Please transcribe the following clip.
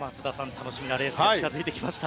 楽しみなレースが近付いてきました。